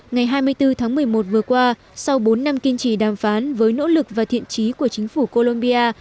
ngày hai mươi bốn tháng một mươi một vừa qua sau bốn năm kiên trì đàm phán với nỗ lực và thiện trí của chính phủ colombia